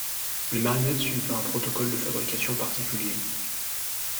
Les marionnettes suivent un protocole de fabrication particulier.